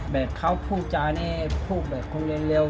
แบบเขาพูดจาน่ดพูดแบบคนเรนเร็ว